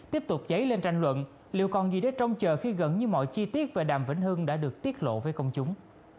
tiếp tục cháy lên tranh luận liệu còn gì để trông chờ khi gần như mọi chi tiết về đàm vĩnh hưng đã được tiết lộ với công chúng